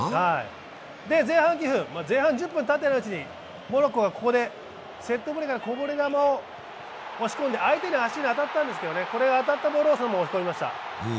前半９分、１０分たってないうちにモロッコがここでセットプレーからのこぼれ球を相手の足に当たったんですけどそのボールを押し込みました。